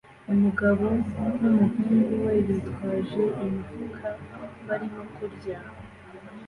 Umugabo n'umuhungu we bitwaje imifuka barimo kurya